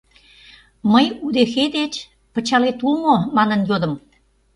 Мый удэхей деч пычалет уло мо манын йодым.